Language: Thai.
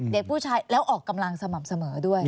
เด็กผู้ชายแล้วออกกำลังสม่ำเสมอด้วย